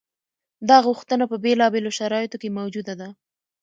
دا غوښتنه په بېلابېلو شرایطو کې موجوده ده.